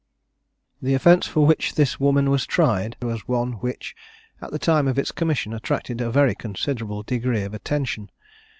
The offence for which this woman was tried was one which, at the time of its commission, attracted a very considerable degree of attention.